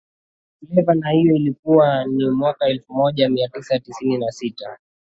Fleva na hiyo ilikuwa ni mwaka elfu moja mia tisa tisini na sita